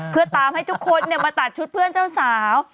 เพื่อตามให้ทุกคนมาตัดชุดเพื่อนเจ้าสาว